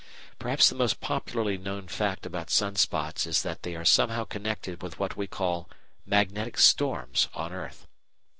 Perhaps the most popularly known fact about sun spots is that they are somehow connected with what we call magnetic storms on earth.